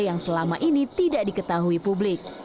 yang selama ini tidak diketahui publik